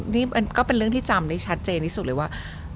นี่มันก็เป็นเรื่องที่จำได้ชัดเจนที่สุดเลยว่า